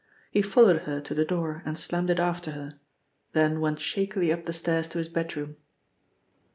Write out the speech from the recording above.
He followed her to the door and slammed it after her, then went shakily up the stairs to his bedroom.